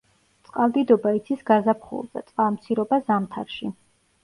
წყალდიდობა იცის გაზაფხულზე, წყალმცირობა ზამთარში.